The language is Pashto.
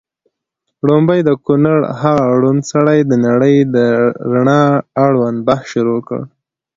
ړومبی د کونړ هغه ړوند سړي د نړۍ د رڼا اړوند بحث شروع کړ